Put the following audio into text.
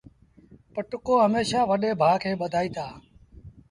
پٽڪو هميشآ وڏي ڀآ کي ٻڌآئيٚتآ۔